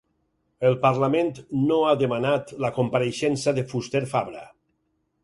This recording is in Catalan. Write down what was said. El parlament no ha demanat la compareixença de Fuster-Fabra